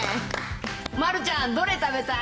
丸ちゃん、どれ食べたい？